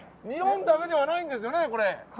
日本だけではないんですよね。